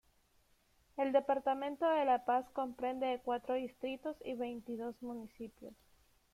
El Departamento de La Paz comprende de cuatro distritos y veintidós municipios.